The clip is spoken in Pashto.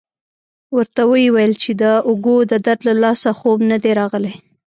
ورته ویې ویل چې د اوږو د درد له لاسه خوب نه دی راغلی.